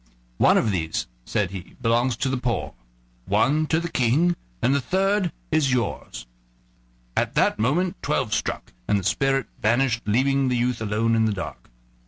"One of these," said he, "belongs to the poor, one to the King, and the third is yours." At that moment twelve struck, and the spirit vanished, leaving the youth alone in the dark.